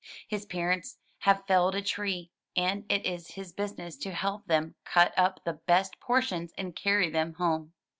His parents have felled a tree, and it is his business to help them cut up the best portions and carry them home.